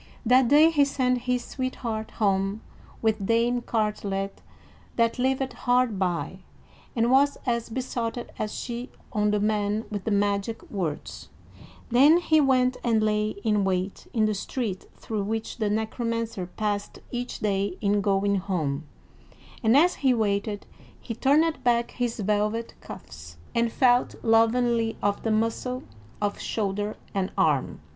That day he sent his sweetheart home with Dame Cartelet, that lived hard by, and was as besotted as she on the man with the magic words; then he went and lay in wait in the street through which the Necromancer passed each day in going home; and as he waited, he turned back his velvet cuffs, and felt lovingly of the muscle of shoulder and arm.